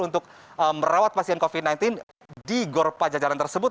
untuk merawat pasien covid sembilan belas di gor pajajaran tersebut